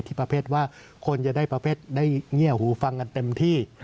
ประเภทว่าคนจะได้ประเภทได้เงียบหูฟังกันเต็มที่